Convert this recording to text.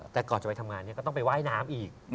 แต่ก่อนจะไปทำงานก็ต้องไปว่ายน้ำอีก